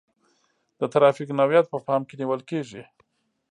د ترافیک نوعیت په پام کې نیول کیږي